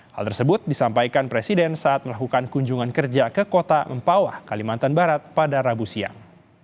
hal tersebut disampaikan presiden saat melakukan kunjungan kerja ke kota mempawah kalimantan barat pada rabu siang